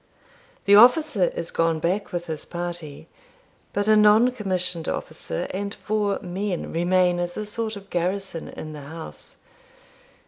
The officer is gone back with his party, but a non commissioned officer and four men remain as a sort of garrison in the house.